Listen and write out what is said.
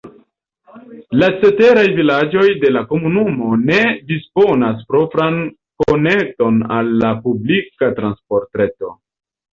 La ceteraj vilaĝoj de la komunumo ne disponas propran konekton al la publika transportreto.